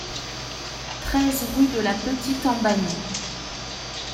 treize rue de la Petite Embanie